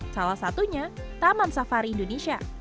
salah satunya taman safari indonesia